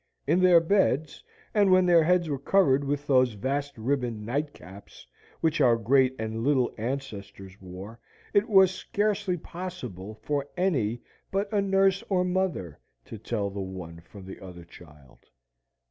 In their beds, and when their heads were covered with those vast ribboned nightcaps which our great and little ancestors wore, it was scarcely possible for any but a nurse or mother to tell the one from the other child.